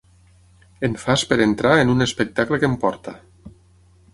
En fas per entrar en un espectacle que en porta.